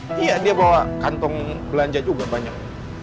iya dia bawa kantong belanja juga banyak